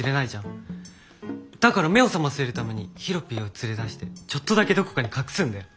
だから目を覚ませるためにヒロピーを連れ出してちょっとだけどこかに隠すんだよ。